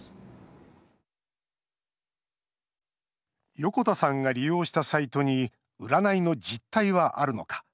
横田さんが利用したサイトに占いの実態はあるのか。